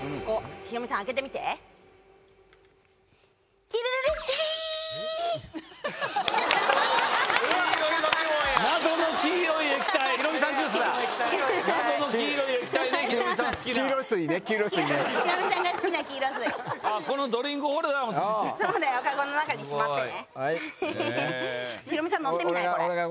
ヒロミさん乗ってみない？